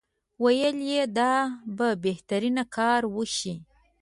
ویل یې دا به بهترین کار وشي.